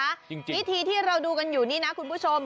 จริงวิธีที่เราดูกันอยู่นี่นะคุณผู้ชม